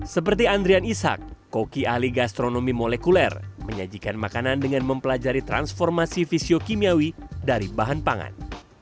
seperti andrian ishak koki ahli gastronomi molekuler menyajikan makanan dengan mempelajari transformasi fisiokimiawi dari bahan pangan